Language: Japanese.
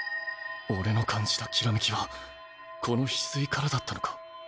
俺の感じた煌めきはこのヒスイからだったのか。